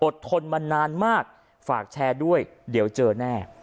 ทนมานานมากฝากแชร์ด้วยเดี๋ยวเจอแน่